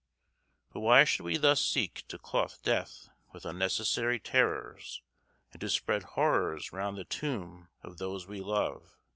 But why should we thus seek to clothe death with unnecessary terrors, and to spread horrors round the tomb of those we love?